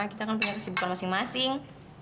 kita kan punya kesibukan masing masing